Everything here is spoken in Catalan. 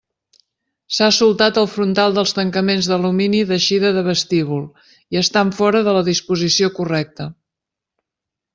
S'ha soltat el frontal dels tancaments d'alumini d'eixida de vestíbul, i estan fora de la disposició correcta.